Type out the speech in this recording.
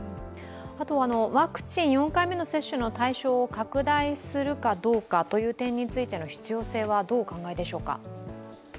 あとはワクチン、４回目の接種の対象を拡大するかどうかについての必要性は、どうお考えでしょうか。